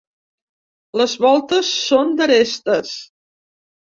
Les voltes són d'arestes.